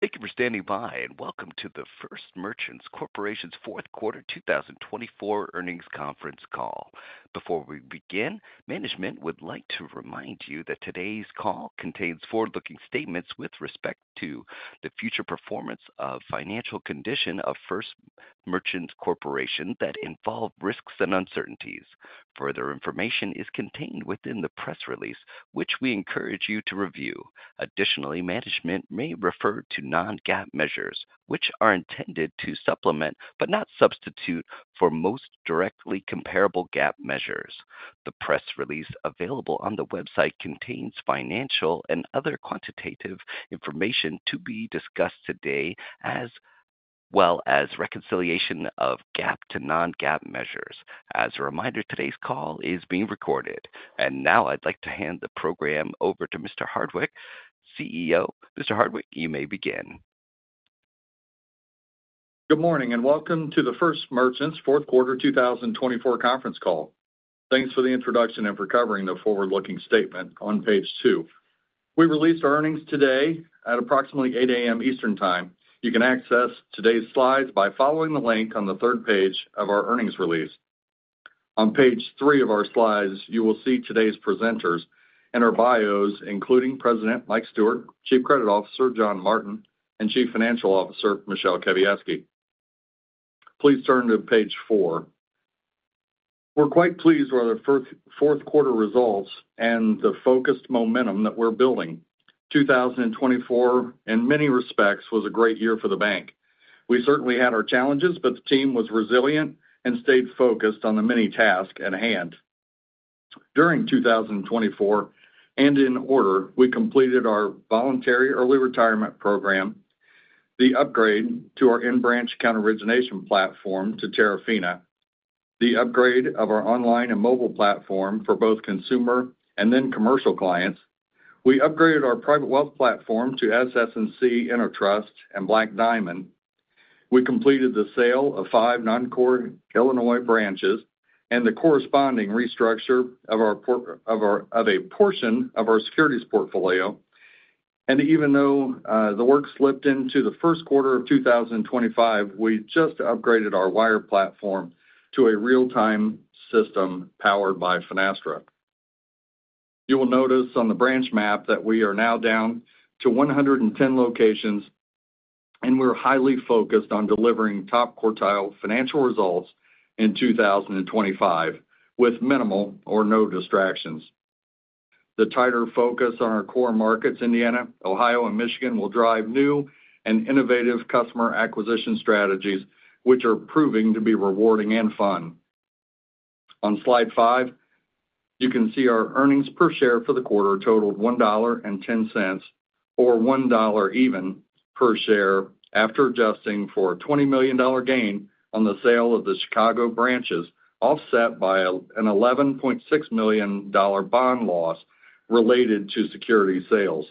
Thank you for standing by, and welcome to the First Merchants Corporation's Fourth Quarter 2024 earnings conference call. Before we begin, management would like to remind you that today's call contains forward-looking statements with respect to the future performance of financial condition of First Merchants Corporation that involve risks and uncertainties. Further information is contained within the press release, which we encourage you to review. Additionally, management may refer to non-GAAP measures, which are intended to supplement but not substitute for most directly comparable GAAP measures. The press release available on the website contains financial and other quantitative information to be discussed today, as well as reconciliation of GAAP to non-GAAP measures. As a reminder, today's call is being recorded. And now I'd like to hand the program over to Mr. Hardwick, CEO. Mr. Hardwick, you may begin. Good morning and welcome to the First Merchants' Fourth Quarter 2024 conference call. Thanks for the introduction and for covering the forward-looking statement on page two. We released our earnings today at approximately 8:00 A.M. Eastern Time. You can access today's slides by following the link on the third page of our earnings release. On page three of our slides, you will see today's presenters and our bios, including President Mike Stewart, Chief Credit Officer John Martin, and Chief Financial Officer Michele Kawiecki. Please turn to page four. We're quite pleased with our fourth quarter results and the focused momentum that we're building. 2024, in many respects, was a great year for the bank. We certainly had our challenges, but the team was resilient and stayed focused on the many tasks at hand. During 2024, and in order, we completed our voluntary early retirement program, the upgrade to our in-branch account origination platform to Terafina, the upgrade of our online and mobile platform for both consumer and then commercial clients. We upgraded our private wealth platform to SS&C, Intertrust, and Black Diamond. We completed the sale of five non-core Illinois branches and the corresponding restructure of a portion of our securities portfolio. And even though the work slipped into the first quarter of 2025, we just upgraded our wire platform to a real-time system powered by Finastra. You will notice on the branch map that we are now down to 110 locations, and we're highly focused on delivering top quartile financial results in 2025 with minimal or no distractions. The tighter focus on our core markets, Indiana, Ohio, and Michigan, will drive new and innovative customer acquisition strategies, which are proving to be rewarding and fun. On slide five, you can see our earnings per share for the quarter totaled $1.10, or $1.00 even per share after adjusting for a $20 million gain on the sale of the Chicago branches, offset by an $11.6 million bond loss related to security sales.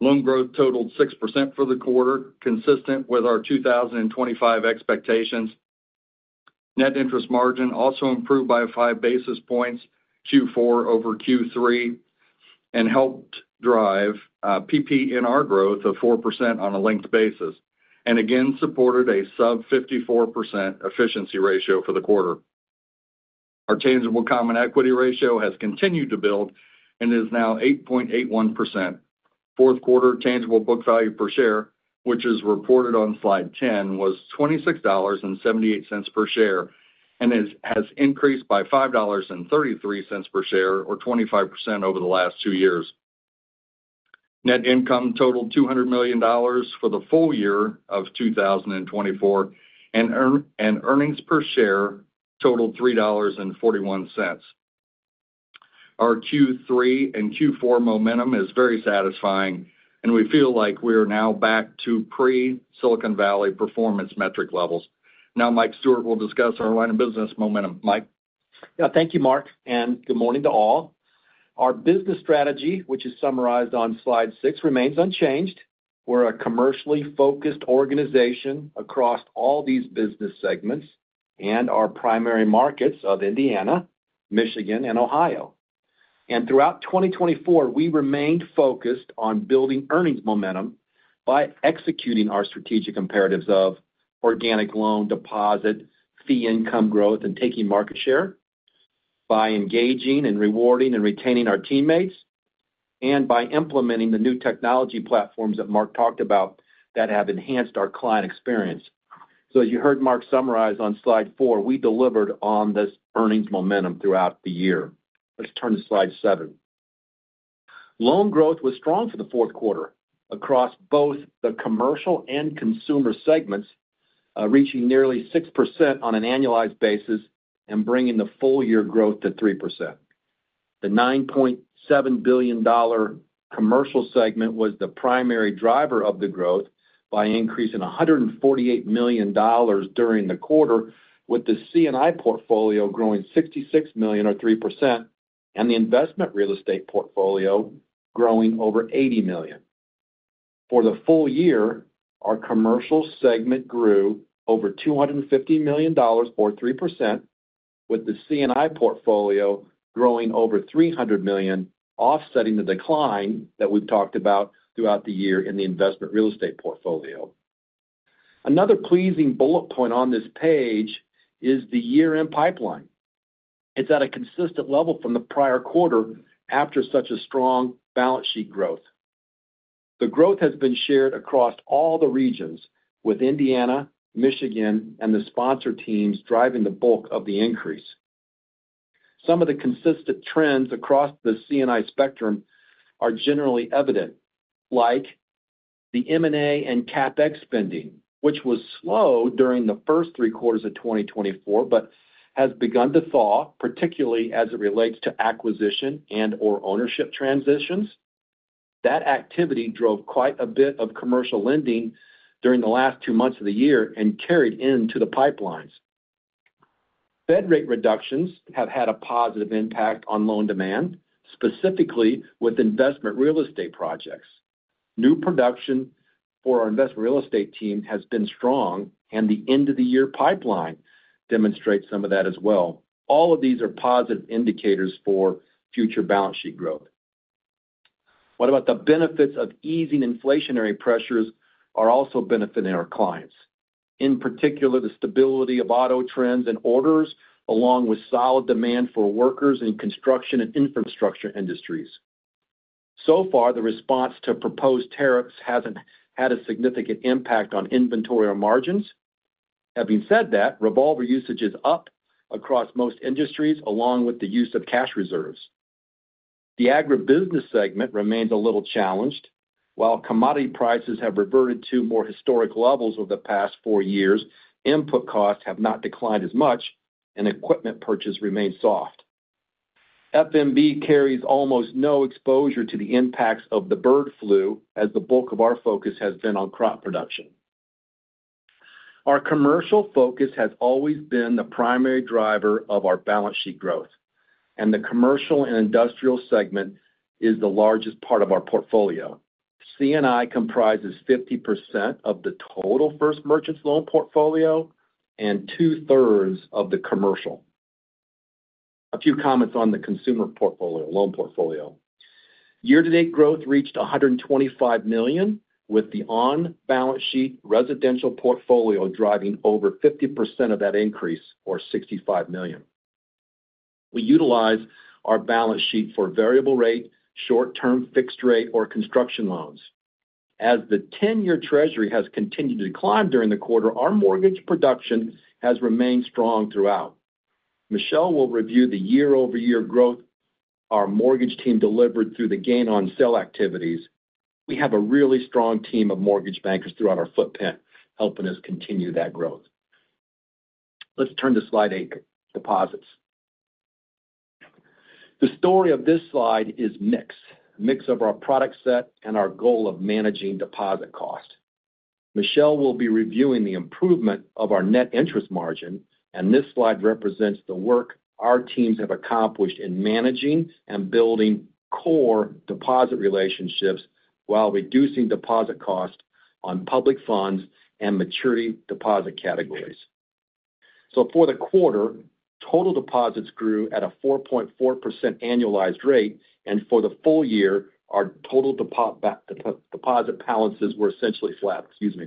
Loan growth totaled 6% for the quarter, consistent with our 2025 expectations. Net interest margin also improved by five basis points, Q4 over Q3, and helped drive PPNR growth of 4% on a linked basis, and again supported a sub-54% efficiency ratio for the quarter. Our tangible common equity ratio has continued to build and is now 8.81%. Fourth quarter tangible book value per share, which is reported on slide 10, was $26.78 per share and has increased by $5.33 per share, or 25% over the last two years. Net income totaled $200 million for the full year of 2024, and earnings per share totaled $3.41. Our Q3 and Q4 momentum is very satisfying, and we feel like we are now back to pre-Silicon Valley performance metric levels. Now, Mike Stewart will discuss our line of business momentum. Mike. Yeah, thank you, Mark, and good morning to all. Our business strategy, which is summarized on slide six, remains unchanged. We're a commercially focused organization across all these business segments and our primary markets of Indiana, Michigan, and Ohio, and throughout 2024, we remained focused on building earnings momentum by executing our strategic imperatives of organic loan deposit, fee income growth, and taking market share by engaging and rewarding and retaining our teammates, and by implementing the new technology platforms that Mark talked about that have enhanced our client experience, so as you heard Mark summarize on slide four, we delivered on this earnings momentum throughout the year. Let's turn to slide seven. Loan growth was strong for the fourth quarter across both the commercial and consumer segments, reaching nearly 6% on an annualized basis and bringing the full year growth to 3%. The $9.7 billion commercial segment was the primary driver of the growth by an increase in $148 million during the quarter, with the C&I portfolio growing $66 million, or 3%, and the investment real estate portfolio growing over $80 million. For the full year, our commercial segment grew over $250 million, or 3%, with the C&I portfolio growing over $300 million, offsetting the decline that we've talked about throughout the year in the investment real estate portfolio. Another pleasing bullet point on this page is the year-end pipeline. It's at a consistent level from the prior quarter after such a strong balance sheet growth. The growth has been shared across all the regions, with Indiana, Michigan, and the sponsor teams driving the bulk of the increase. Some of the consistent trends across the C&I spectrum are generally evident, like the M&A and CapEx spending, which was slow during the first three quarters of 2024 but has begun to thaw, particularly as it relates to acquisition and/or ownership transitions. That activity drove quite a bit of commercial lending during the last two months of the year and carried into the pipelines. Fed rate reductions have had a positive impact on loan demand, specifically with investment real estate projects. New production for our investment real estate team has been strong, and the end-of-the-year pipeline demonstrates some of that as well. All of these are positive indicators for future balance sheet growth. What about the benefits of easing inflationary pressures, are also benefiting our clients? In particular, the stability of auto trends and orders, along with solid demand for workers in construction and infrastructure industries. So far, the response to proposed tariffs hasn't had a significant impact on inventory or margins. Having said that, revolver usage is up across most industries, along with the use of cash reserves. The agribusiness segment remains a little challenged. While commodity prices have reverted to more historic levels over the past four years, input costs have not declined as much, and equipment purchase remains soft. FMB carries almost no exposure to the impacts of the bird flu, as the bulk of our focus has been on crop production. Our commercial focus has always been the primary driver of our balance sheet growth, and the commercial and industrial segment is the largest part of our portfolio. C&I comprises 50% of the total First Merchants loan portfolio and 2/3 of the commercial. A few comments on the consumer portfolio, loan portfolio. Year-to-date growth reached $125 million, with the on-balance sheet residential portfolio driving over 50% of that increase, or $65 million. We utilize our balance sheet for variable rate, short-term, fixed rate, or construction loans. As the 10-year Treasury has continued to decline during the quarter, our mortgage production has remained strong throughout. Michele will review the year-over-year growth our mortgage team delivered through the gain-on-sale activities. We have a really strong team of mortgage bankers throughout our footprint, helping us continue that growth. Let's turn to slide eight, deposits. The story of this slide is a mix of our product set and our goal of managing deposit cost. Michele will be reviewing the improvement of our net interest margin, and this slide represents the work our teams have accomplished in managing and building core deposit relationships while reducing deposit costs on public funds and maturity deposit categories. For the quarter, total deposits grew at a 4.4% annualized rate, and for the full year, our total deposit balances were essentially flat. Excuse me.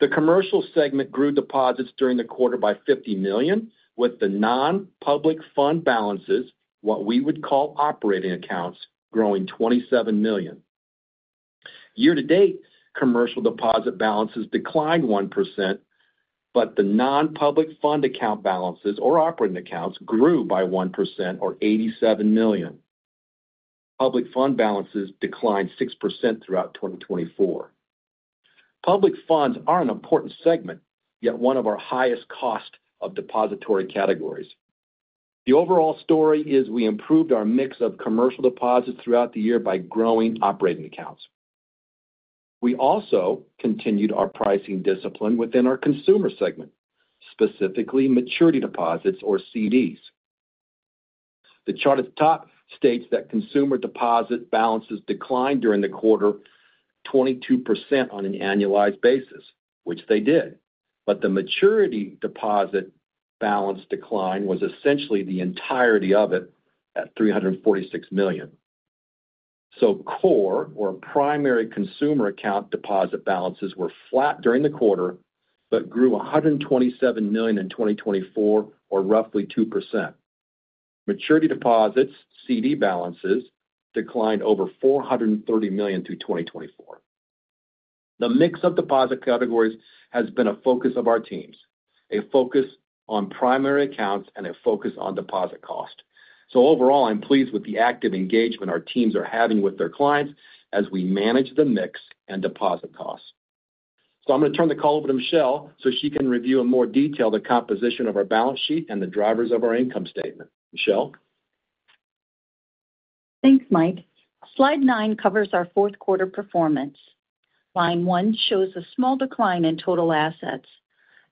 The commercial segment grew deposits during the quarter by $50 million, with the non-public fund balances, what we would call operating accounts, growing $27 million. Year-to-date, commercial deposit balances declined 1%, but the non-public fund account balances, or operating accounts, grew by 1%, or $87 million. Public fund balances declined 6% throughout 2024. Public funds are an important segment, yet one of our highest cost of depository categories. The overall story is we improved our mix of commercial deposits throughout the year by growing operating accounts. We also continued our pricing discipline within our consumer segment, specifically maturity deposits, or CDs. The chart at the top states that consumer deposit balances declined during the quarter 22% on an annualized basis, which they did, but the maturity deposit balance decline was essentially the entirety of it at $346 million. So, core or primary consumer account deposit balances were flat during the quarter but grew $127 million in 2024, or roughly 2%. Maturity deposits, CD balances, declined over $430 million through 2024. The mix of deposit categories has been a focus of our teams, a focus on primary accounts and a focus on deposit cost. So, overall, I'm pleased with the active engagement our teams are having with their clients as we manage the mix and deposit costs. So, I'm going to turn the call over to Michele so she can review in more detail the composition of our balance sheet and the drivers of our income statement. Michele? Thanks, Mike. Slide nine covers our fourth quarter performance. Line one shows a small decline in total assets.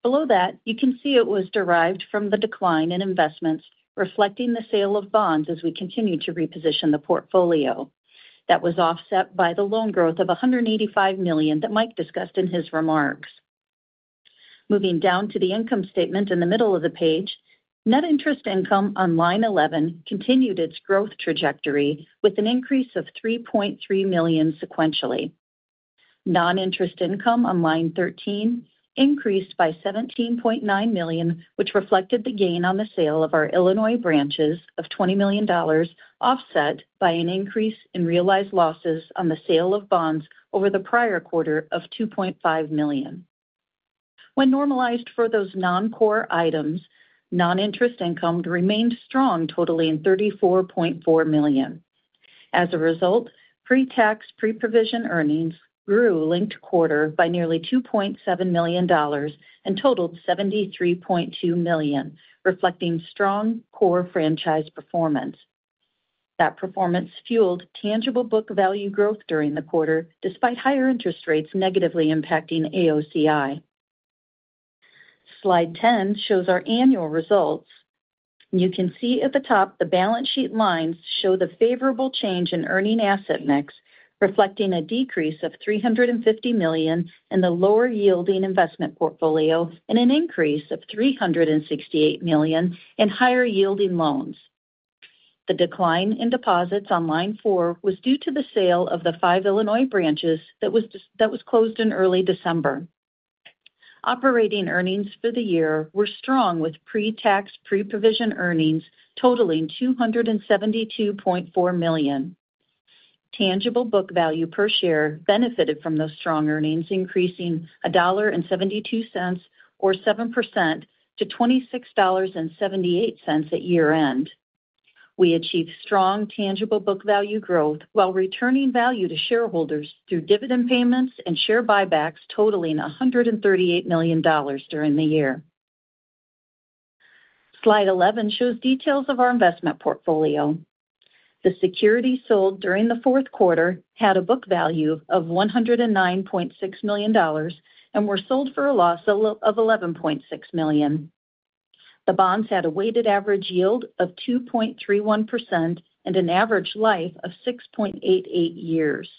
Below that, you can see it was derived from the decline in investments, reflecting the sale of bonds as we continue to reposition the portfolio. That was offset by the loan growth of $185 million that Mike discussed in his remarks. Moving down to the income statement in the middle of the page, net interest income on line 11 continued its growth trajectory with an increase of $3.3 million sequentially. Non-interest income on line 13 increased by $17.9 million, which reflected the gain on the sale of our Illinois branches of $20 million, offset by an increase in realized losses on the sale of bonds over the prior quarter of $2.5 million. When normalized for those non-core items, non-interest income remained strong, totaling $34.4 million. As a result, pre-tax, pre-provision earnings grew linked quarter by nearly $2.7 million and totaled $73.2 million, reflecting strong core franchise performance. That performance fueled tangible book value growth during the quarter despite higher interest rates negatively impacting AOCI. Slide 10 shows our annual results. You can see at the top the balance sheet lines show the favorable change in earning asset mix, reflecting a decrease of $350 million in the lower-yielding investment portfolio and an increase of $368 million in higher-yielding loans. The decline in deposits on line four was due to the sale of the five Illinois branches that was closed in early December. Operating earnings for the year were strong with pre-tax, pre-provision earnings totaling $272.4 million. Tangible book value per share benefited from those strong earnings, increasing $1.72, or 7%, to $26.78 at year-end. We achieved strong tangible book value growth while returning value to shareholders through dividend payments and share buybacks totaling $138 million during the year. Slide 11 shows details of our investment portfolio. The securities sold during the fourth quarter had a book value of $109.6 million and were sold for a loss of $11.6 million. The bonds had a weighted average yield of 2.31% and an average life of 6.88 years.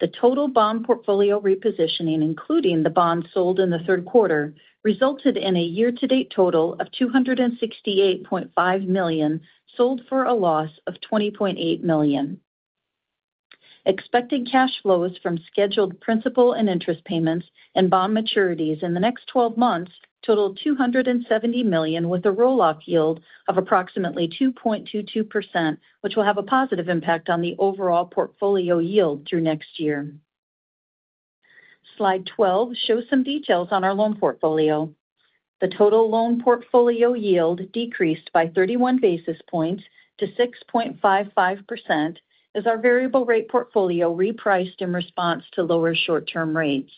The total bond portfolio repositioning, including the bonds sold in the third quarter, resulted in a year-to-date total of $268.5 million sold for a loss of $20.8 million. Expected cash flows from scheduled principal and interest payments and bond maturities in the next 12 months totaled $270 million, with a roll-off yield of approximately 2.22%, which will have a positive impact on the overall portfolio yield through next year. Slide 12 shows some details on our loan portfolio. The total loan portfolio yield decreased by 31 basis points to 6.55% as our variable rate portfolio repriced in response to lower short-term rates.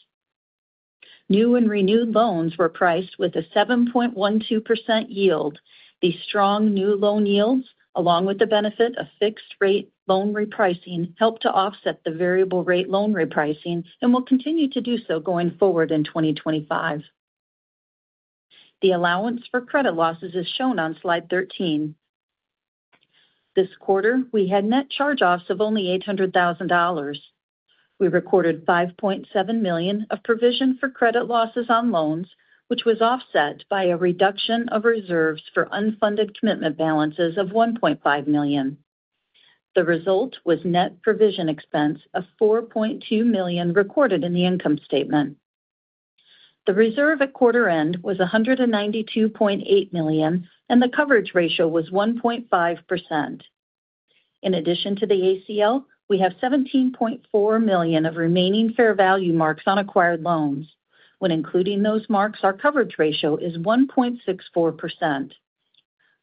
New and renewed loans were priced with a 7.12% yield. These strong new loan yields, along with the benefit of fixed-rate loan repricing, helped to offset the variable-rate loan repricing and will continue to do so going forward in 2025. The allowance for credit losses is shown on slide 13. This quarter, we had net charge-offs of only $800,000. We recorded $5.7 million of provision for credit losses on loans, which was offset by a reduction of reserves for unfunded commitment balances of $1.5 million. The result was net provision expense of $4.2 million recorded in the income statement. The reserve at quarter-end was $192.8 million, and the coverage ratio was 1.5%. In addition to the ACL, we have $17.4 million of remaining fair value marks on acquired loans. When including those marks, our coverage ratio is 1.64%.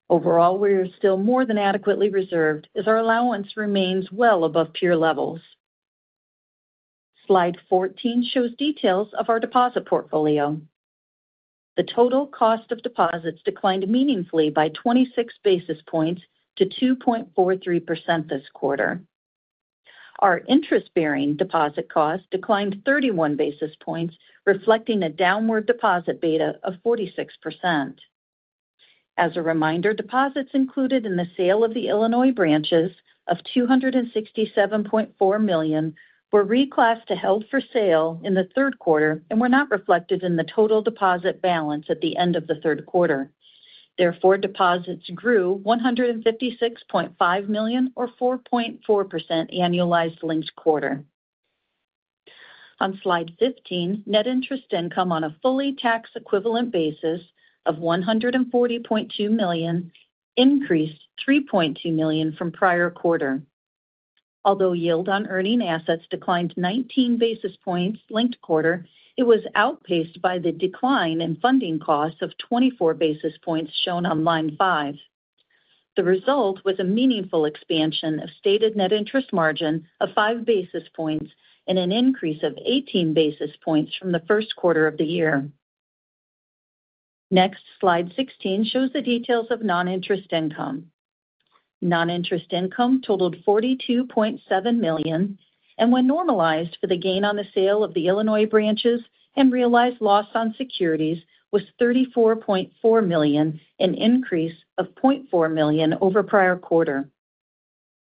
Overall, we are still more than adequately reserved as our allowance remains well above peer levels. Slide 14 shows details of our deposit portfolio. The total cost of deposits declined meaningfully by 26 basis points to 2.43% this quarter. Our interest-bearing deposit cost declined 31 basis points, reflecting a downward deposit beta of 46%. As a reminder, deposits included in the sale of the Illinois branches of $267.4 million were reclassed to held for sale in the third quarter and were not reflected in the total deposit balance at the end of the third quarter. Therefore, deposits grew $156.5 million, or 4.4%, annualized linked quarter. On slide 15, net interest income on a fully tax-equivalent basis of $140.2 million increased $3.2 million from prior quarter. Although yield on earning assets declined 19 basis points linked quarter, it was outpaced by the decline in funding costs of 24 basis points shown on line five. The result was a meaningful expansion of stated net interest margin of five basis points and an increase of 18 basis points from the first quarter of the year. Next, slide 16 shows the details of non-interest income. Non-interest income totaled $42.7 million, and when normalized for the gain on the sale of the Illinois branches and realized loss on securities, was $34.4 million, an increase of $0.4 million over prior quarter.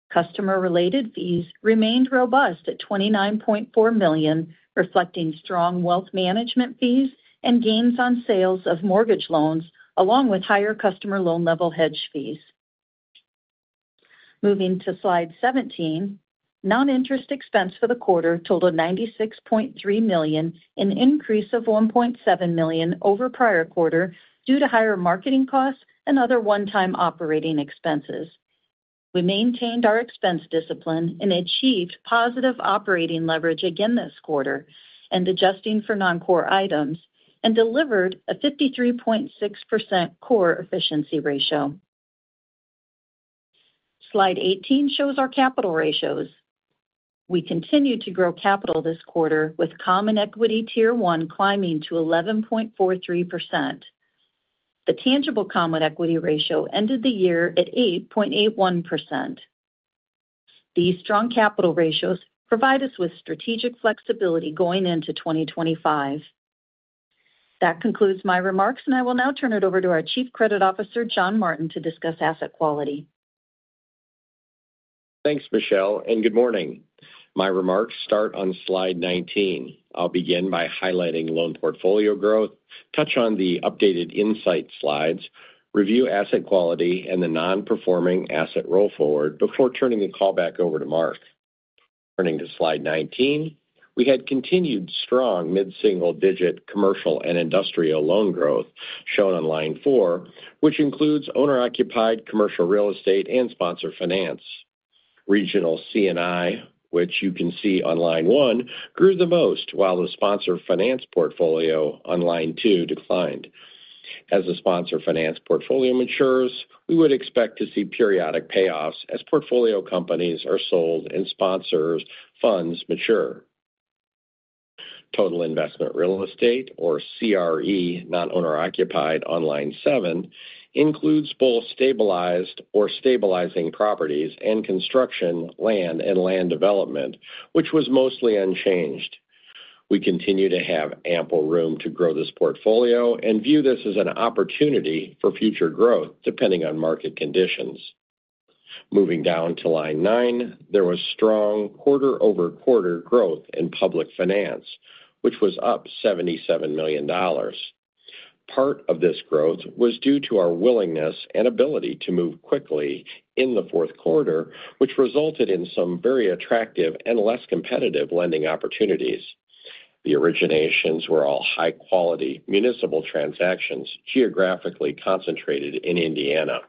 Customer-related fees remained robust at $29.4 million, reflecting strong wealth management fees and gains on sales of mortgage loans, along with higher customer loan-level hedge fees. Moving to slide 17, non-interest expense for the quarter totaled $96.3 million, an increase of $1.7 million over prior quarter due to higher marketing costs and other one-time operating expenses. We maintained our expense discipline and achieved positive operating leverage again this quarter, and adjusting for non-core items, and delivered a 53.6% core efficiency ratio. Slide 18 shows our capital ratios. We continue to grow capital this quarter, with common equity tier one climbing to 11.43%. The tangible common equity ratio ended the year at 8.81%. These strong capital ratios provide us with strategic flexibility going into 2025. That concludes my remarks, and I will now turn it over to our Chief Credit Officer, John Martin, to discuss asset quality. Thanks, Michele, and good morning. My remarks start on slide 19. I'll begin by highlighting loan portfolio growth, touch on the updated insight slides, review asset quality, and the non-performing asset roll forward before turning the call back over to Mark. Turning to slide 19, we had continued strong mid-single-digit commercial and industrial loan growth shown on line four, which includes owner-occupied commercial real estate and sponsor finance. Regional C&I, which you can see on line one, grew the most, while the sponsor finance portfolio on line two declined. As the sponsor finance portfolio matures, we would expect to see periodic payoffs as portfolio companies are sold and sponsor funds mature. Total investment real estate, or CRE, non-owner-occupied on line seven, includes both stabilized or stabilizing properties and construction land and land development, which was mostly unchanged. We continue to have ample room to grow this portfolio and view this as an opportunity for future growth depending on market conditions. Moving down to line nine, there was strong quarter-over-quarter growth in public finance, which was up $77 million. Part of this growth was due to our willingness and ability to move quickly in the fourth quarter, which resulted in some very attractive and less competitive lending opportunities. The originations were all high-quality municipal transactions geographically concentrated in Indiana.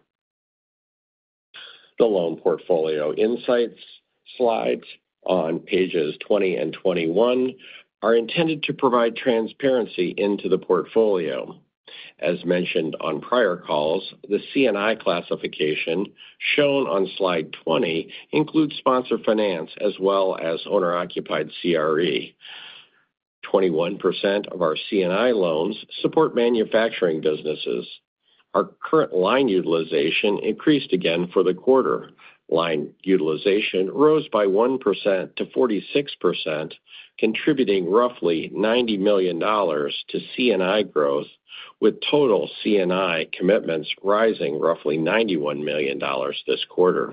The loan portfolio insights slides on pages 20 and 21 are intended to provide transparency into the portfolio. As mentioned on prior calls, the C&I classification shown on slide 20 includes sponsor finance as well as owner-occupied CRE. 21% of our C&I loans support manufacturing businesses. Our current line utilization increased again for the quarter. Line utilization rose by 1%-46%, contributing roughly $90 million to C&I growth, with total C&I commitments rising roughly $91 million this quarter.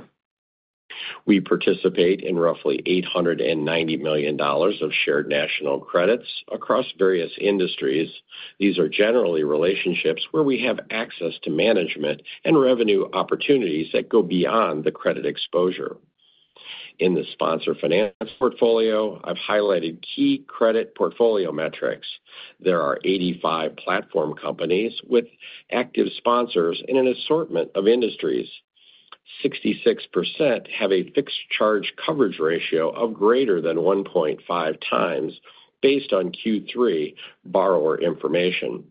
We participate in roughly $890 million of Shared National Credits across various industries. These are generally relationships where we have access to management and revenue opportunities that go beyond the credit exposure. In the sponsor finance portfolio, I've highlighted key credit portfolio metrics. There are 85 platform companies with active sponsors in an assortment of industries. 66% have a fixed charge coverage ratio of greater than 1.5 times based on Q3 borrower information.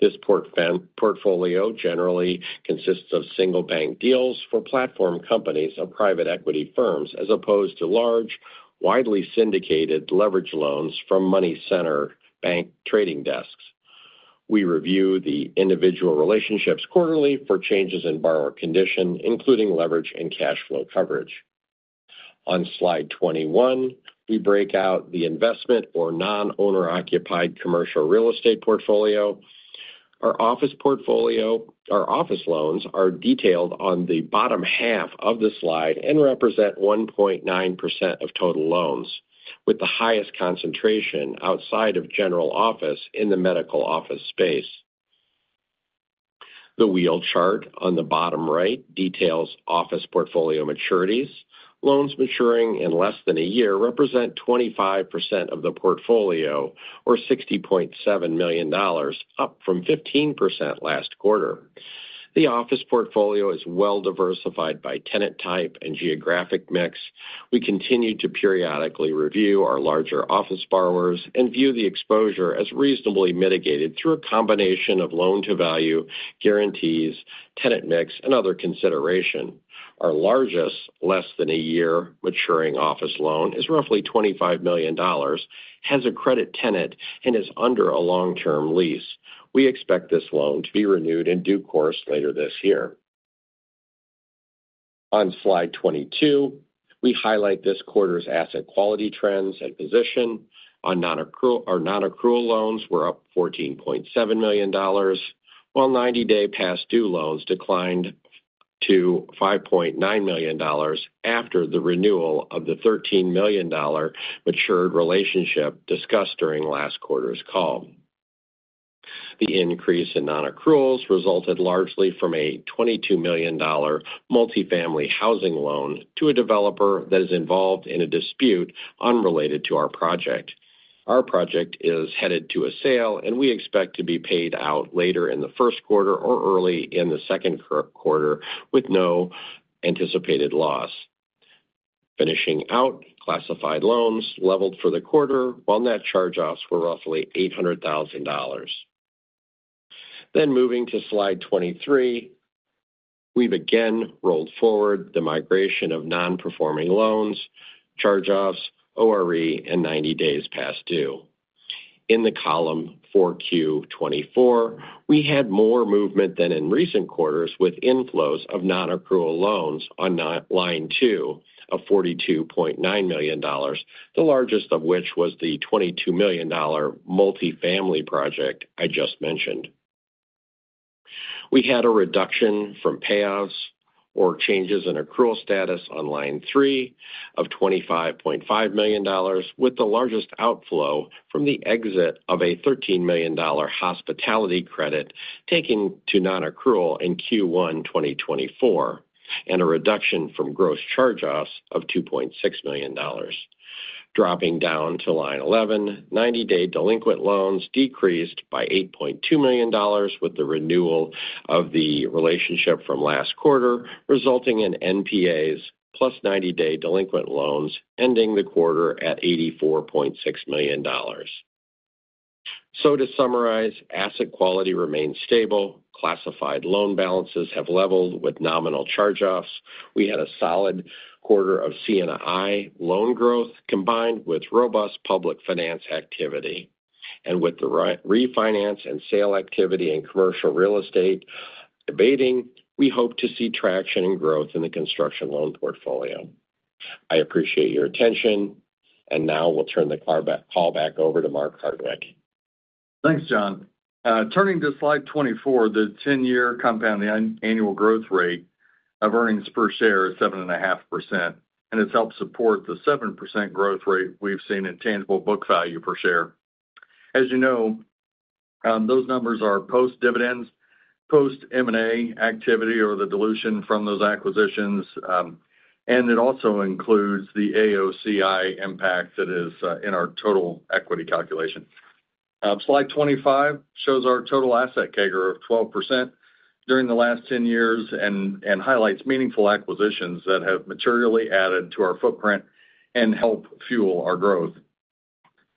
This portfolio generally consists of single-bank deals for platform companies of private equity firms as opposed to large, widely syndicated leverage loans from money center bank trading desks. We review the individual relationships quarterly for changes in borrower condition, including leverage and cash flow coverage. On slide 21, we break out the investment or non-owner-occupied commercial real estate portfolio. Our office portfolio, our office loans are detailed on the bottom half of the slide and represent 1.9% of total loans, with the highest concentration outside of general office in the medical office space. The wheel chart on the bottom right details office portfolio maturities. Loans maturing in less than a year represent 25% of the portfolio, or $60.7 million, up from 15% last quarter. The office portfolio is well-diversified by tenant type and geographic mix. We continue to periodically review our larger office borrowers and view the exposure as reasonably mitigated through a combination of loan-to-value guarantees, tenant mix, and other consideration. Our largest, less than a year maturing office loan is roughly $25 million, has a credit tenant, and is under a long-term lease. We expect this loan to be renewed in due course later this year. On slide 22, we highlight this quarter's asset quality trends and position. Our non-accrual loans were up $14.7 million, while 90-day past due loans declined to $5.9 million after the renewal of the $13 million matured relationship discussed during last quarter's call. The increase in non-accruals resulted largely from a $22 million multifamily housing loan to a developer that is involved in a dispute unrelated to our project. Our project is headed to a sale, and we expect to be paid out later in the first quarter or early in the second quarter with no anticipated loss. Finishing out classified loans leveled for the quarter, while net charge-offs were roughly $800,000. Then moving to slide 23, we've again rolled forward the migration of non-performing loans, charge-offs, ORE, and 90 days past due. In the column 4Q 2024, we had more movement than in recent quarters with inflows of non-accrual loans on line two of $42.9 million, the largest of which was the $22 million multifamily project I just mentioned. We had a reduction from payoffs or changes in accrual status on line three of $25.5 million, with the largest outflow from the exit of a $13 million hospitality credit taken to non-accrual in Q1 2024 and a reduction from gross charge-offs of $2.6 million. Dropping down to line 11, 90-day delinquent loans decreased by $8.2 million with the renewal of the relationship from last quarter, resulting in NPAs plus 90-day delinquent loans ending the quarter at $84.6 million. So to summarize, asset quality remains stable. Classified loan balances have leveled with nominal charge-offs. We had a solid quarter of C&I loan growth combined with robust public finance activity. With the refinance and sale activity in commercial real estate abating, we hope to see traction and growth in the construction loan portfolio. I appreciate your attention, and now we'll turn the call back over to Mark Hardwick. Thanks, John. Turning to slide 24, the 10-year compounding annual growth rate of earnings per share is 7.5%, and it's helped support the 7% growth rate we've seen in tangible book value per share. As you know, those numbers are post-dividends, post-M&A activity, or the dilution from those acquisitions, and it also includes the AOCI impact that is in our total equity calculation. Slide 25 shows our total asset CAGR of 12% during the last 10 years and highlights meaningful acquisitions that have materially added to our footprint and help fuel our growth.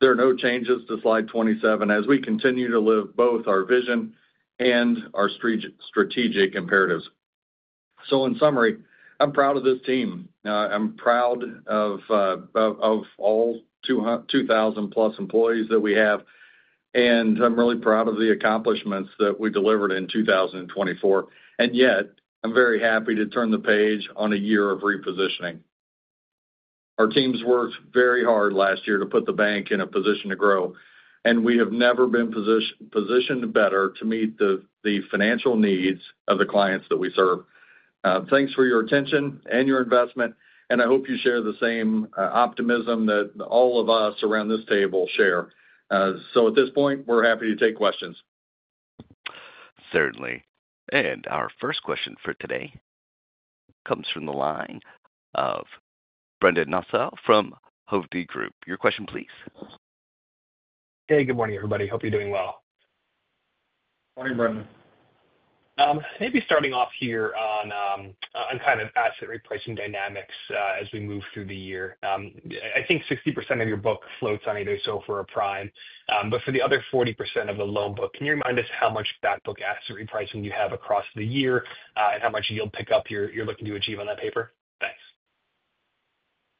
There are no changes to slide 27 as we continue to live both our vision and our strategic imperatives. So in summary, I'm proud of this team. I'm proud of all 2,000+ employees that we have, and I'm really proud of the accomplishments that we delivered in 2024. And yet, I'm very happy to turn the page on a year of repositioning. Our team's worked very hard last year to put the bank in a position to grow, and we have never been positioned better to meet the financial needs of the clients that we serve. Thanks for your attention and your investment, and I hope you share the same optimism that all of us around this table share. So at this point, we're happy to take questions. Certainly. And our first question for today comes from the line of Brendan Nosal from Hovde Group. Your question, please. Hey, good morning, everybody. Hope you're doing well. Morning, Brendan. Maybe starting off here on kind of asset repricing dynamics as we move through the year. I think 60% of your book floats on either a SOFR or a prime, but for the other 40% of the loan book, can you remind us how much backbook asset repricing you have across the year and how much yield pickup you're looking to achieve on that paper? Thanks.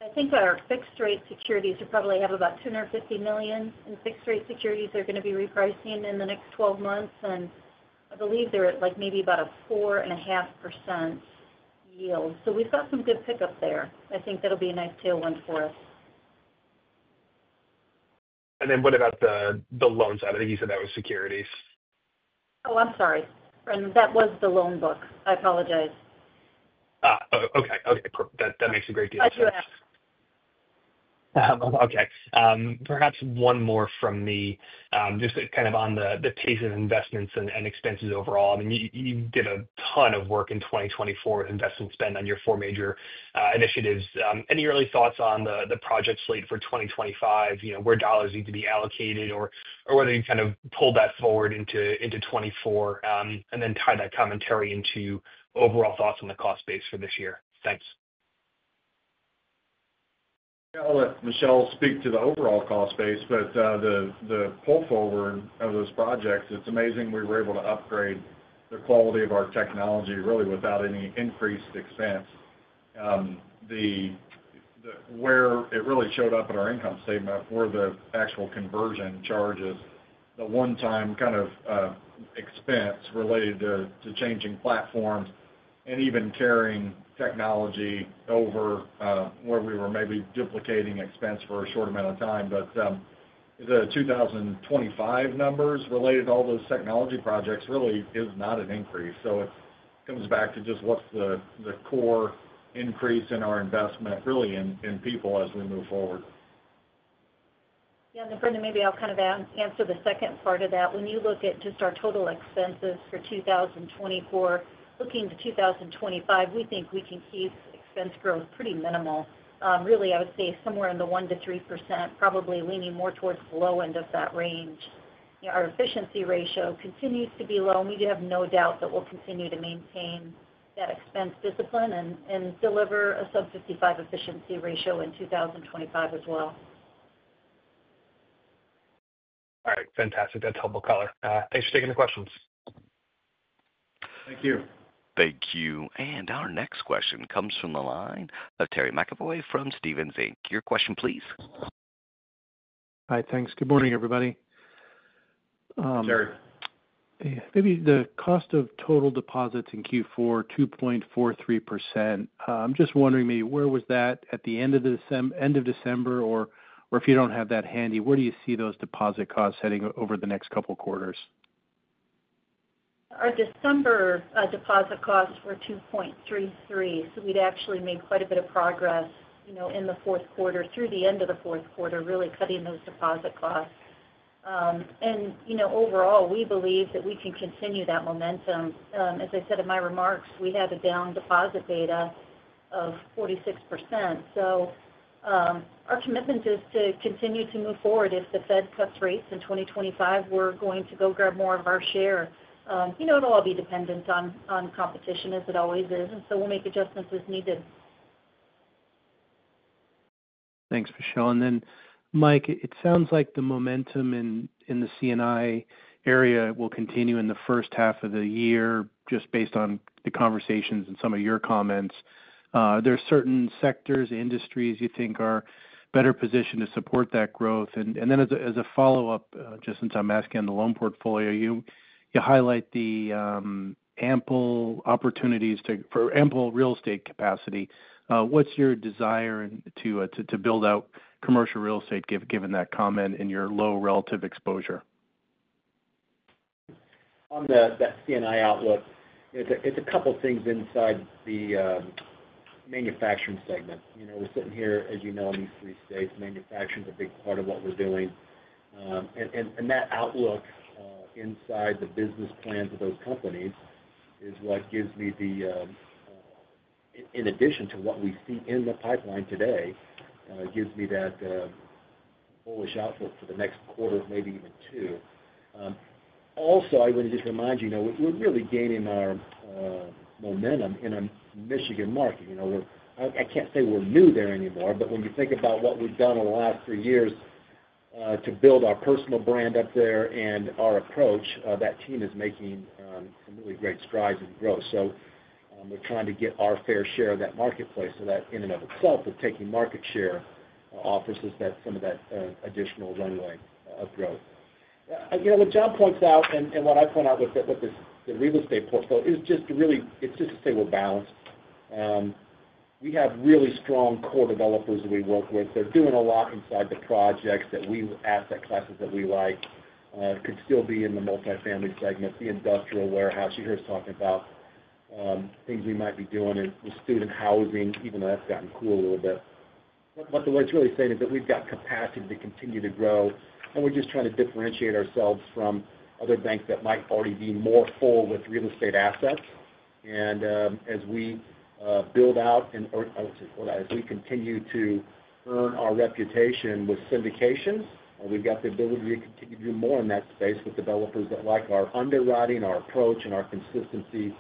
I think our fixed-rate securities probably have about $250 million in fixed-rate securities they're going to be repricing in the next 12 months, and I believe they're at maybe about a 4.5% yield, so we've got some good pickup there. I think that'll be a nice tailwind for us. And then what about the loan side? I think you said that was securities. Oh, I'm sorry. Brendan, that was the loan book. I apologize. Oh, okay. Okay. Perfect. That makes a great deal. I do have. Okay. Perhaps one more from me, just kind of on the pace of investments and expenses overall. I mean, you did a ton of work in 2024 with investment spend on your four major initiatives. Any early thoughts on the project slate for 2025, where dollars need to be allocated, or whether you kind of pulled that forward into 2024 and then tied that commentary into overall thoughts on the cost base for this year? Thanks. Yeah. I'll let Michele speak to the overall cost base, but the pull forward of those projects, it's amazing we were able to upgrade the quality of our technology really without any increased expense. Where it really showed up in our income statement were the actual conversion charges, the one-time kind of expense related to changing platforms and even carrying technology over where we were maybe duplicating expense for a short amount of time. But the 2025 numbers related to all those technology projects really is not an increase. So it comes back to just what's the core increase in our investment really in people as we move forward. Yeah. And Brendan, maybe I'll kind of answer the second part of that. When you look at just our total expenses for 2024, looking to 2025, we think we can keep expense growth pretty minimal. Really, I would say somewhere in the 1%-3%, probably leaning more towards the low end of that range. Our efficiency ratio continues to be low, and we do have no doubt that we'll continue to maintain that expense discipline and deliver a sub-55 efficiency ratio in 2025 as well. All right. Fantastic. That's helpful color. Thanks for taking the questions. Thank you. Thank you. And our next question comes from the line of Terry McEvoy from Stephens. Your question, please. Hi. Thanks. Good morning, everybody. Terry. Maybe the cost of total deposits in Q4, 2.43%. I'm just wondering, maybe where was that at the end of December, or if you don't have that handy, where do you see those deposit costs heading over the next couple of quarters? Our December deposit costs were 2.33, so we'd actually made quite a bit of progress in the fourth quarter through the end of the fourth quarter, really cutting those deposit costs. And overall, we believe that we can continue that momentum. As I said in my remarks, we had a down deposit beta of 46%. So our commitment is to continue to move forward. If the Fed cuts rates in 2025, we're going to go grab more of our share. It'll all be dependent on competition, as it always is, and so we'll make adjustments as needed. Thanks, Michele. And then, Mike, it sounds like the momentum in the C&I area will continue in the first half of the year, just based on the conversations and some of your comments. There are certain sectors, industries you think are better positioned to support that growth. And then as a follow-up, just since I'm asking the loan portfolio, you highlight the ample opportunities for real estate capacity. What's your desire to build out commercial real estate, given that comment and your low relative exposure? On that C&I outlook, it's a couple of things inside the manufacturing segment. We're sitting here, as you know, in these three states. Manufacturing is a big part of what we're doing. And that outlook inside the business plans of those companies is what gives me the, in addition to what we see in the pipeline today, gives me that bullish outlook for the next quarter, maybe even two. Also, I want to just remind you, we're really gaining our momentum in a Michigan market. I can't say we're new there anymore, but when you think about what we've done in the last three years to build our personal brand up there and our approach, that team is making some really great strides in growth. So we're trying to get our fair share of that marketplace. So that in and of itself, we're taking market share offers us some of that additional runway of growth. What John points out and what I point out with the real estate portfolio is just to really, it's just to say we're balanced. We have really strong core developers that we work with. They're doing a lot inside the projects in the asset classes that we like. It could still be in the multifamily segment, the industrial warehouse. You heard us talking about things we might be doing with student housing, even though that's gotten cooled a little bit. But what it's really saying is that we've got capacity to continue to grow, and we're just trying to differentiate ourselves from other banks that might already be more full with real estate assets. As we build out, or I would say, hold on, as we continue to earn our reputation with syndications, we've got the ability to continue to do more in that space with developers that like our underwriting, our approach, and our consistency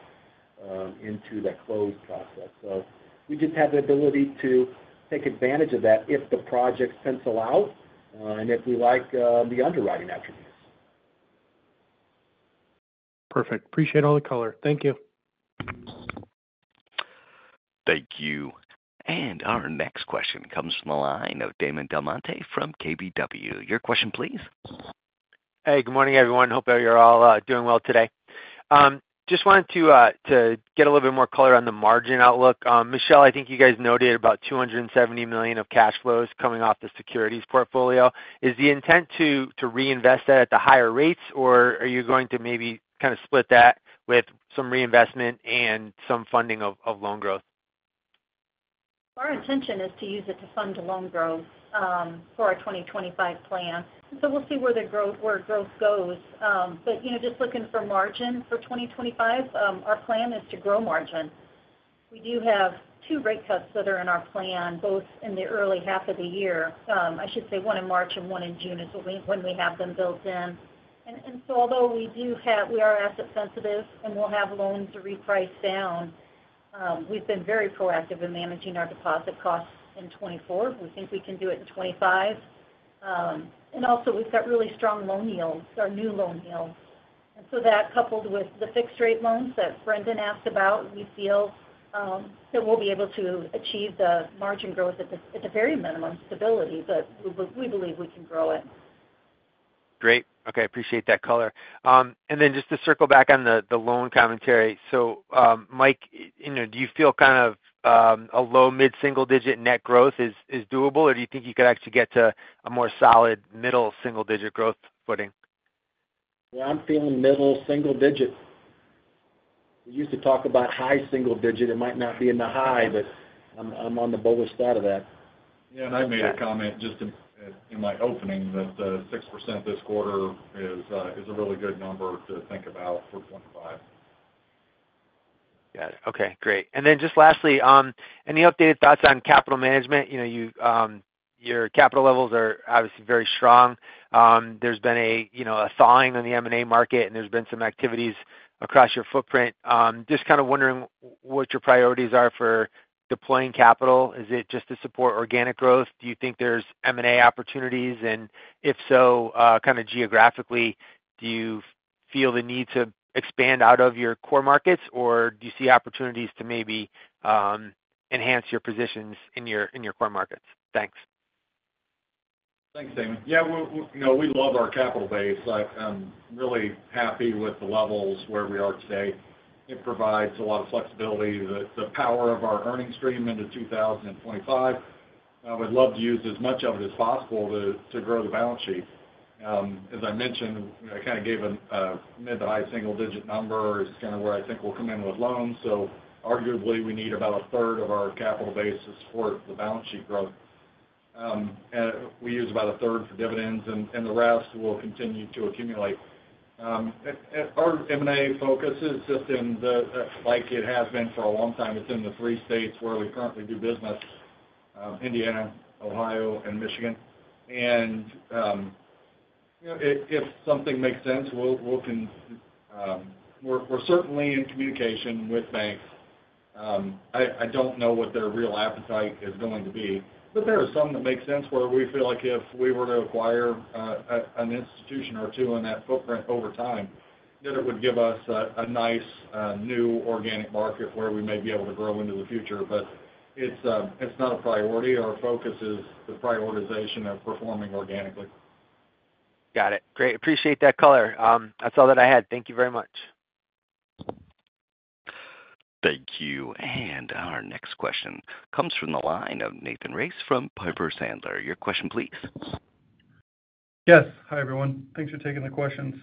into that closed process, so we just have the ability to take advantage of that if the project pencils out and if we like the underwriting attributes. Perfect. Appreciate all the color. Thank you. Thank you. And our next question comes from the line of Damon DelMonte from KBW. Your question, please. Hey, good morning, everyone. Hope that you're all doing well today. Just wanted to get a little bit more color on the margin outlook. Michele, I think you guys noted about $270 million of cash flows coming off the securities portfolio. Is the intent to reinvest that at the higher rates, or are you going to maybe kind of split that with some reinvestment and some funding of loan growth? Our intention is to use it to fund loan growth for our 2025 plan. So we'll see where growth goes. But just looking for margin for 2025, our plan is to grow margin. We do have two rate cuts that are in our plan, both in the early half of the year. I should say one in March and one in June is when we have them built in. And so although we do have, we are asset sensitive, and we'll have loans repriced down. We've been very proactive in managing our deposit costs in 2024. We think we can do it in 2025. And also, we've got really strong loan yields, our new loan yields. And so, that coupled with the fixed-rate loans that Brendan asked about, we feel that we'll be able to achieve the margin growth, at the very minimum, stability, but we believe we can grow it. Great. Okay. Appreciate that color. And then just to circle back on the loan commentary. So Mike, do you feel kind of a low mid-single-digit net growth is doable, or do you think you could actually get to a more solid middle single-digit growth footing? Yeah. I'm feeling middle single digit. We used to talk about high single digit. It might not be in the high, but I'm on the bullish side of that. Yeah, and I made a comment just in my opening that 6% this quarter is a really good number to think about for 2025. Got it. Okay. Great. And then just lastly, any updated thoughts on capital management? Your capital levels are obviously very strong. There's been a thawing in the M&A market, and there's been some activities across your footprint. Just kind of wondering what your priorities are for deploying capital. Is it just to support organic growth? Do you think there's M&A opportunities? And if so, kind of geographically, do you feel the need to expand out of your core markets, or do you see opportunities to maybe enhance your positions in your core markets? Thanks. Thanks, Damon. Yeah. We love our capital base. Really happy with the levels where we are today. It provides a lot of flexibility, the power of our earnings stream into 2025. We'd love to use as much of it as possible to grow the balance sheet. As I mentioned, I kind of gave a mid to high single-digit number. It's kind of where I think we'll come in with loans. So arguably, we need about 1/3 of our capital base to support the balance sheet growth. And we use about 1/3 for dividends, and the rest will continue to accumulate. Our M&A focus is just in the, like it has been for a long time, it's in the three states where we currently do business: Indiana, Ohio, and Michigan. And if something makes sense, we'll—we're certainly in communication with banks. I don't know what their real appetite is going to be, but there are some that make sense where we feel like if we were to acquire an institution or two in that footprint over time, that it would give us a nice new organic market where we may be able to grow into the future. But it's not a priority. Our focus is the prioritization of performing organically. Got it. Great. Appreciate that color. That's all that I had. Thank you very much. Thank you. And our next question comes from the line of Nathan Race from Piper Sandler. Your question, please. Yes. Hi, everyone. Thanks for taking the questions.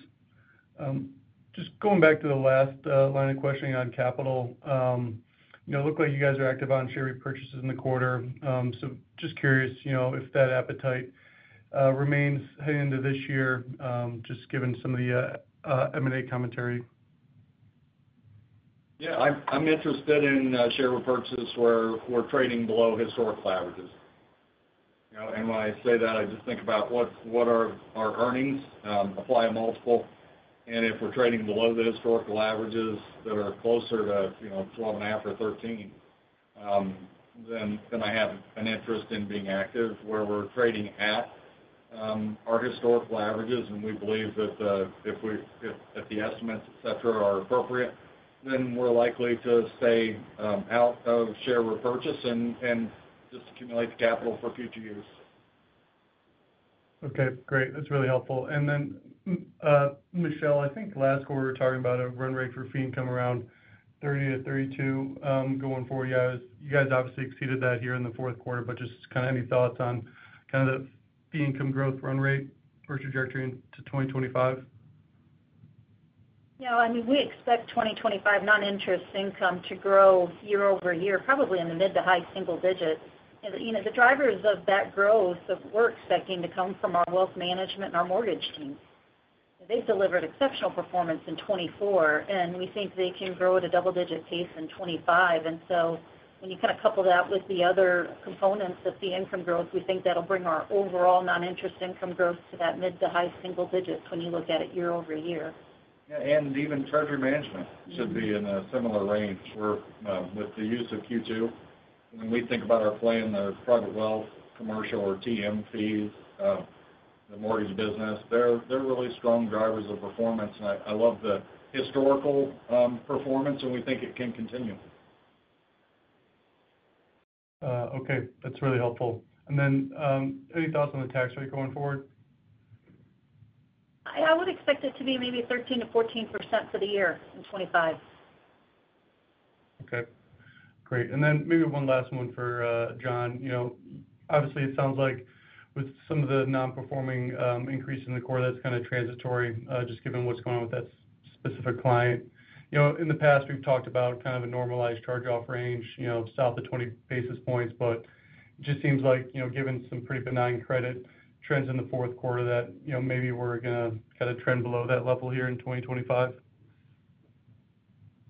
Just going back to the last line of questioning on capital, it looked like you guys are active on share repurchases in the quarter. So just curious if that appetite remains heading into this year, just given some of the M&A commentary. Yeah. I'm interested in share repurchases where we're trading below historical averages. And when I say that, I just think about what are our earnings, apply a multiple, and if we're trading below the historical averages that are closer to 12.5 or 13, then I have an interest in being active where we're trading at our historical averages. And we believe that if the estimates, etc., are appropriate, then we're likely to stay out of share repurchase and just accumulate the capital for future use. Okay. Great. That's really helpful. And then, Michele, I think last quarter we were talking about a run rate for fee income around 30-32 going forward. You guys obviously exceeded that here in the fourth quarter, but just kind of any thoughts on kind of the fee income growth run rate or trajectory into 2025? Yeah. I mean, we expect 2025 non-interest income to grow year-over-year, probably in the mid- to high-single-digit. The drivers of that growth that we're expecting to come from our wealth management and our mortgage team, they've delivered exceptional performance in 2024, and we think they can grow at a double-digit pace in 2025. And so when you kind of couple that with the other components of fee income growth, we think that'll bring our overall non-interest income growth to that mid- to high-single-digits when you look at it year over year. Yeah. And even treasury management should be in a similar range with the use of Q2. When we think about our play in the private wealth, commercial, or TM fees, the mortgage business, they're really strong drivers of performance. And I love the historical performance, and we think it can continue. Okay. That's really helpful. And then any thoughts on the tax rate going forward? I would expect it to be maybe 13%-14% for the year in 2025. Okay. Great. And then maybe one last one for John. Obviously, it sounds like with some of the non-performing increase in the quarter, that's kind of transitory, just given what's going on with that specific client. In the past, we've talked about kind of a normalized charge-off range south of 20 basis points, but it just seems like, given some pretty benign credit trends in the fourth quarter, that maybe we're going to kind of trend below that level here in 2025.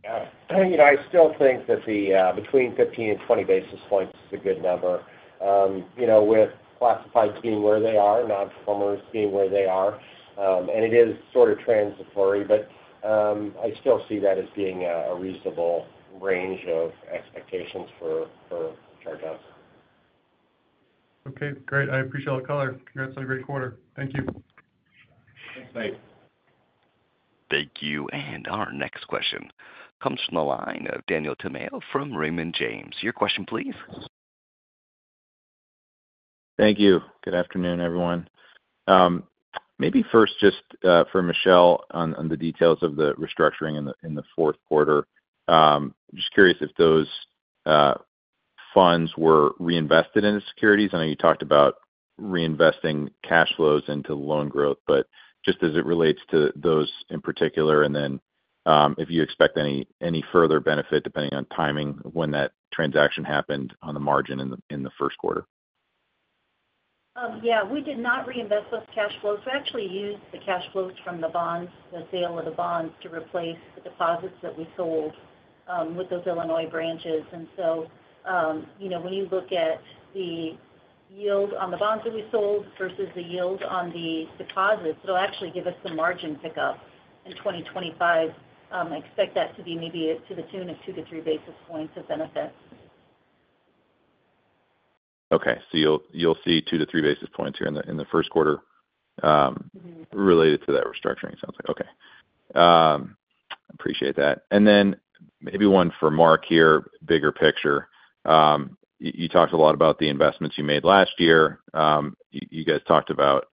Yeah. I still think that between 15 and 20 basis points is a good number, with classifieds being where they are, non-performers being where they are. And it is sort of transitory, but I still see that as being a reasonable range of expectations for charge-offs. Okay. Great. I appreciate all the color. Congrats on a great quarter. Thank you. Thanks. Thank you. And our next question comes from the line of Daniel Tamayo from Raymond James. Your question, please. Thank you. Good afternoon, everyone. Maybe first, just for Michele, on the details of the restructuring in the fourth quarter. Just curious if those funds were reinvested into securities. I know you talked about reinvesting cash flows into loan growth, but just as it relates to those in particular, and then if you expect any further benefit, depending on timing of when that transaction happened on the margin in the first quarter. Yeah. We did not reinvest those cash flows. We actually used the cash flows from the bonds, the sale of the bonds, to replace the deposits that we sold with those Illinois branches. And so when you look at the yield on the bonds that we sold versus the yield on the deposits, it'll actually give us some margin pickup in 2025. I expect that to be maybe to the tune of two to three basis points of benefit. Okay, so you'll see two to three basis points here in the first quarter related to that restructuring, it sounds like. Okay. Appreciate that. Then maybe one for Mark here, bigger picture. You talked a lot about the investments you made last year. You guys talked about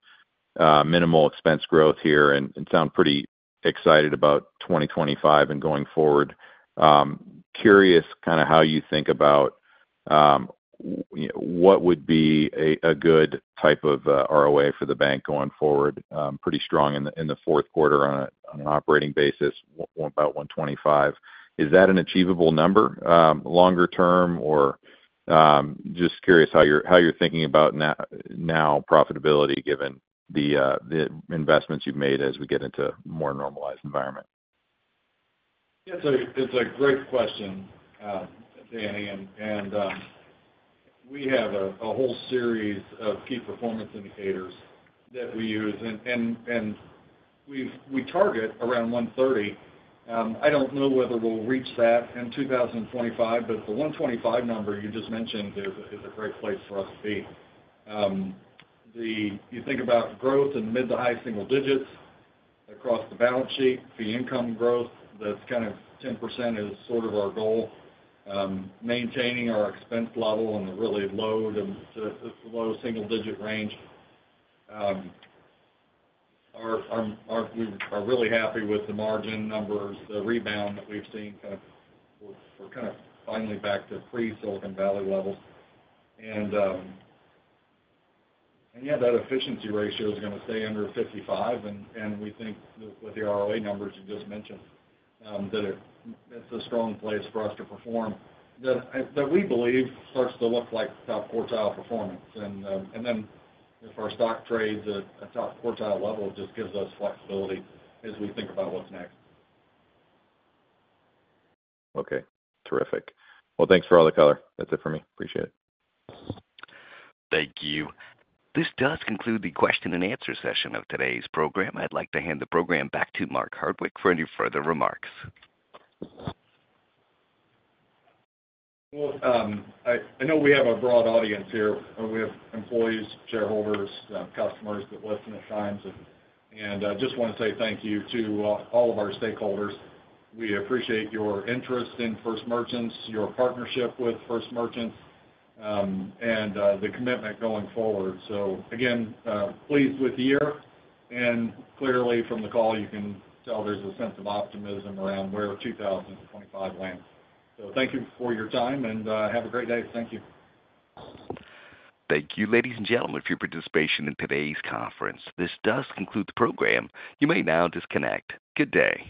minimal expense growth here and sound pretty excited about 2025 and going forward. Curious kind of how you think about what would be a good type of ROA for the bank going forward, pretty strong in the fourth quarter on an operating basis, about 125. Is that an achievable number longer term, or just curious how you're thinking about now profitability given the investments you've made as we get into a more normalized environment? Yeah. It's a great question, Danny. And we have a whole series of key performance indicators that we use, and we target around 130. I don't know whether we'll reach that in 2025, but the 125 number you just mentioned is a great place for us to be. You think about growth in mid to high single digits across the balance sheet, fee income growth. That's kind of 10% is sort of our goal, maintaining our expense level in the really low to low single-digit range. We are really happy with the margin numbers, the rebound that we've seen. We're kind of finally back to pre-Silicon Valley Bank levels. And yeah, that efficiency ratio is going to stay under 55%. And we think with the ROA numbers you just mentioned, that it's a strong place for us to perform. That we believe starts to look like top quartile performance. And then if our stock trades at a top quartile level, it just gives us flexibility as we think about what's next. Okay. Terrific. Well, thanks for all the color. That's it for me. Appreciate it. Thank you. This does conclude the question and answer session of today's program. I'd like to hand the program back to Mark Hardwick for any further remarks. I know we have a broad audience here. We have employees, shareholders, customers that listen at times. I just want to say thank you to all of our stakeholders. We appreciate your interest in First Merchants, your partnership with First Merchants, and the commitment going forward. Again, pleased with the year. Clearly, from the call, you can tell there's a sense of optimism around where 2025 lands. Thank you for your time, and have a great day. Thank you. Thank you, ladies and gentlemen, for your participation in today's conference. This does conclude the program. You may now disconnect. Good day.